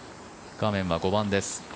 画面は５番です。